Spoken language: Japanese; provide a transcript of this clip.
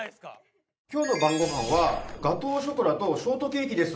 「今日の晩ご飯はガトーショコラとショートケーキです」